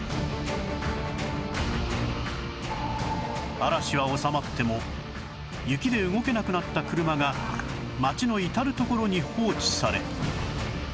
嵐は収まっても雪で動けなくなった車が街の至る所に放置され